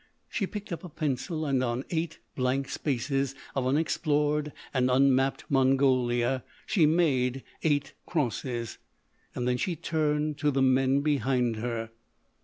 She picked up a pencil, and on eight blank spaces of unexplored and unmapped Mongolia she made eight crosses. Then she turned to the men behind her.